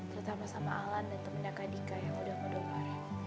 terutama sama alan dan teman teman kak dika yang sudah mendopar